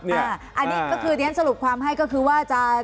อันนี้คือเนี้ยสรุปความให้ก็คือว่า